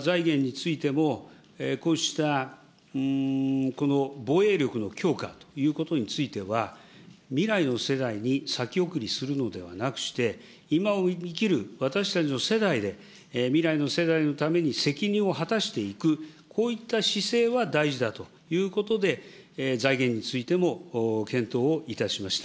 財源についても、こうした防衛力の強化ということについては、未来の世代に先送りするのではなくして、今を生きる私たちの世代で、未来の世代のために責任を果たしていく、こういった姿勢は大事だということで、財源についても検討をいたしました。